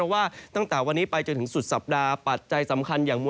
ว่าตั้งแต่วันนี้ไปจนถึงสุดสัปดาห์ปัจจัยสำคัญอย่างมั